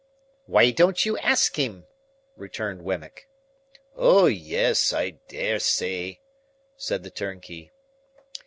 "Why don't you ask him?" returned Wemmick. "O yes, I dare say!" said the turnkey.